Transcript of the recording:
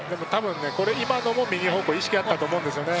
今のも右方向に意識があったと思うんですよね。